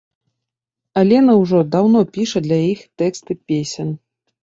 Алена ўжо даўно піша для іх тэксты песень.